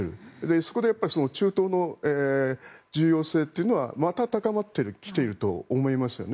そこでやっぱり中東の重要性というのはまた高まってきていると思いますよね。